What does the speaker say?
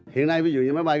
hiện nay ví dụ như máy bay